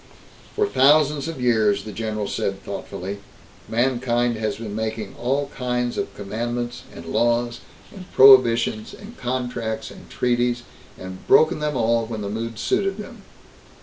"For thousands of years," the general said thoughtfully, "mankind has been making all kinds of commandments and laws and prohibitions and contracts and treaties and broken them all when the mood suited them.